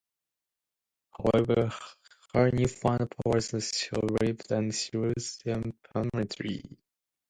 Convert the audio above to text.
However, her new-found powers are short-lived, and she loses them permanently.